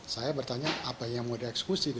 saya bertanya apa yang mau di eksekusi